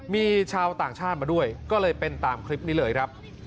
มีชาวต่างชาติมาด้วยก็เลยเป็นตามคลิปนี้เลยครับ